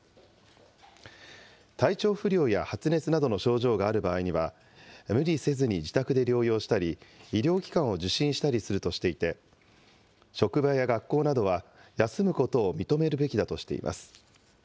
体調不良や発熱などの症状がある場合には、無理せずに自宅で療養したり、医療機関を受診したりするとしていて、職場や学校などは休むことを認めるべきだとしています。